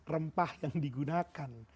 rempah yang digunakan